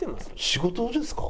仕事ですか？